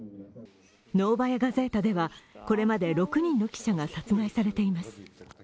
「ノーバヤ・ガゼータ」ではこれまで６人の記者が殺害されています。